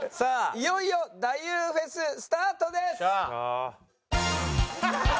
いよいよ太夫フェススタートです。